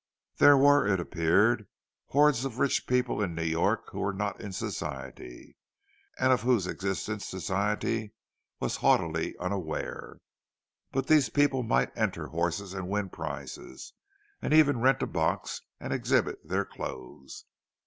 There were, it appeared, hordes of rich people in New York who were not in Society, and of whose existence Society was haughtily unaware; but these people might enter horses and win prizes, and even rent a box and exhibit their clothes.